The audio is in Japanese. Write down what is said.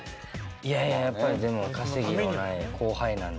いやいややっぱりでも稼ぎもない後輩なので。